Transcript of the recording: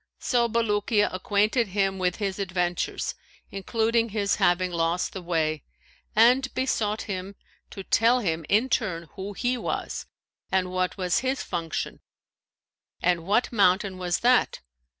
So Bulukiya acquainted him with his adventures including his having lost the way; and besought him to tell him, in turn, who he was and what was his function and what mountain was that.